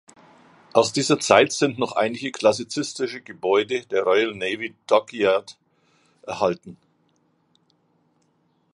Aus dieser Zeit sind noch einige klassizistische Gebäude der "Royal Navy Dockyard" erhalten.